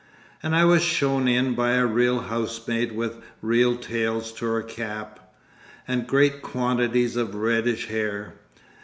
And I was shown in by a real housemaid with real tails to her cap, and great quantities of reddish hair.